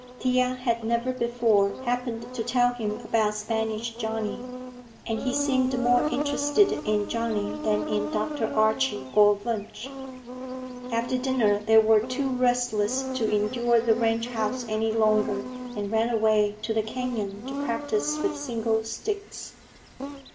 Thea had never before happened to tell him about Spanish Johnny, and he seemed more interested in Johnny than in Dr. Archie or Wunsch. After dinner they were too restless to endure the ranch house any longer, and ran away to the canyon to practice with single sticks.